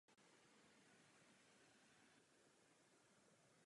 Existují desítky výrobců efektů.